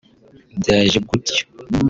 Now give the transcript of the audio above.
Byaje gutyo